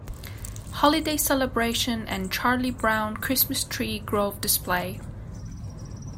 Holiday Celebration and Charlie Brown Christmas Tree Grove Display.